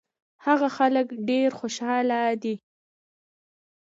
هغه خلک ډېر خوشاله دي.